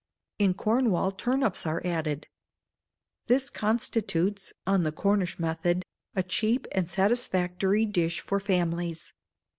In Cornwall, turnips are added. This constitutes (on the Cornish method) a cheap and satisfactory dish for families.